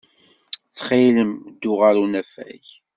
Ttxil-m, ddu ɣer unafag.